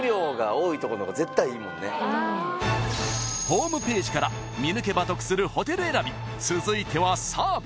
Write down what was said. ［ホームページから見抜けば得するホテル選び］